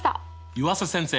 湯浅先生